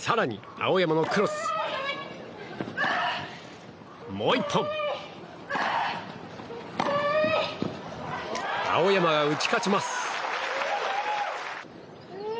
青山が打ち勝ちます。